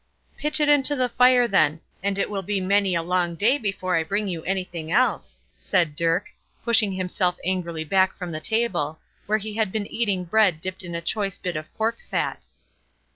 "Pitch it into the fire, then; and it will be many a long day before I bring you anything else," said Dirk, pushing himself angrily back from the table, where he had been eating bread dipped in a choice bit of pork fat.